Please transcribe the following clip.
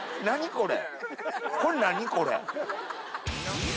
これ。